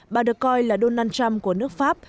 bà được coi là donald trump của nước pháp